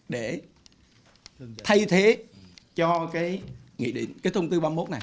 để thay thế cho cái thông tư một mươi ba